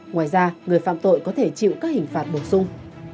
ngoài ra người phạm tội có thể chịu các hình phạt bổ sung